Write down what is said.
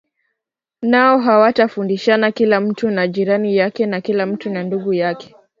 Nao hawatafundishana kila mtu na jirani yake Na kila mtu na ndugu yake